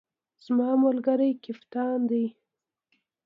زما ملګری کپتان دی